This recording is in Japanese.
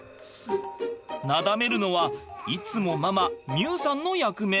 なだめるのはいつもママ未夢さんの役目。